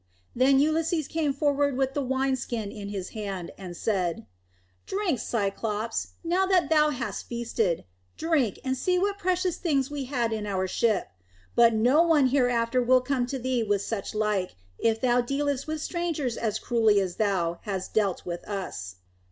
Then Ulysses came forward with the wine skin in his hand, and said: "Drink, Cyclops, now that thou hast feasted. Drink, and see what precious things we had in our ship. But no one hereafter will come to thee with such like, if thou dealest with strangers as cruelly as thou hast dealt with us."